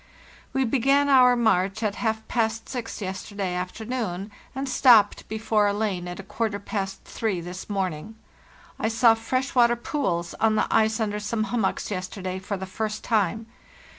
"We began our march at half past six yesterday afternoon, and stopped before a lane at a quarter past three this morning. I saw fresh water pools on the ice under some hummocks yesterday for the first time.